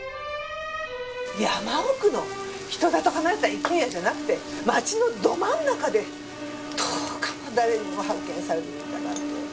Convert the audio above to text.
山奥の人里離れた一軒家じゃなくて町のど真ん中で１０日も誰にも発見されずにいたなんて。